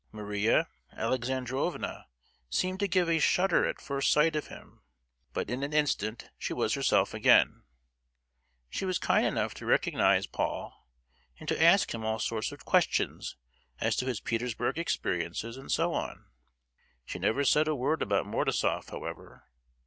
Maria Alexandrovna seemed to give a shudder at first sight of him, but in an instant she was herself again. She was kind enough to recognise Paul, and to ask him all sorts of questions as to his Petersburg experiences, and so on. She never said a word about Mordasof, however.